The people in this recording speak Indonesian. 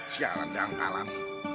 siang dan malam